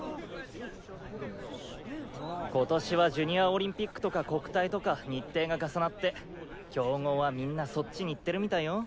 ・・今年はジュニアオリンピックとか国体とか日程が重なって強豪はみんなそっちに行ってるみたいよ・・